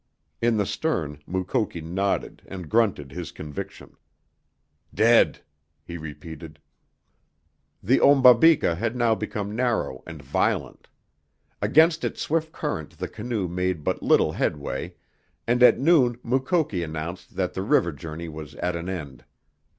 In the stern, Mukoki nodded and grunted his conviction. "Dead," he repeated. The Ombabika had now become narrow and violent. Against its swift current the canoe made but little headway, and at noon Mukoki announced that the river journey was at an end.